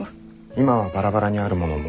今はバラバラにあるものも。